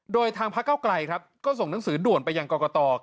โดยทางพระเก้าไกลครับก็ส่งหนังสือด่วนไปยังกรกต